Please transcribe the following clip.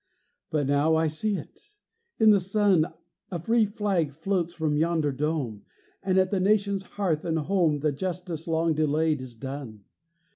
But now I see it! In the sun A free flag floats from yonder dome, And at the nation's hearth and home The justice long delayed is done.